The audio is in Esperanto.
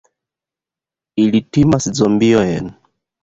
Ili timas zombiojn!